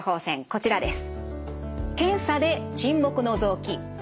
こちらです。